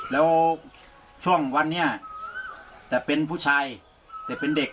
แล้วช่วงวันนี้แต่เป็นผู้ชายแต่เป็นเด็ก